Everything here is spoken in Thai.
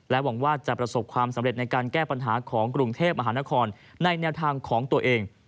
หวังว่าจะประสบความสำเร็จในการแก้ปัญหาของกรุงเทพมหานครในแนวทางของตัวเอง